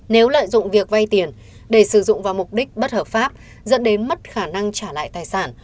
nếu lợi dụng việc vay tiền để sử dụng vào mục đích bất hợp pháp dẫn đến mất khả năng trả lại tài sản